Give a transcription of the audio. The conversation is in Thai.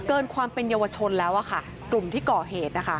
เกินความเป็นเยาวชนแล้วค่ะกลุ่มที่ก่อเหตุนะคะ